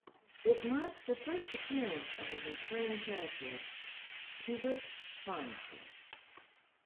It marks the first appearance of the recurring character Cubert Farnsworth.